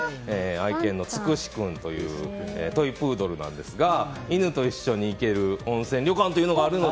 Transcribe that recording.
愛犬のつくし君というトイプードルなんですが犬と一緒に行ける温泉旅館というのがあるので。